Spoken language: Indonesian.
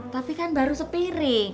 tapi kan baru sepiring